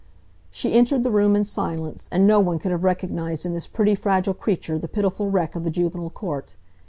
She entered the room in silence, and no one could have recognized in this pretty, fragile creature the pitiful wreck of the juvenile court.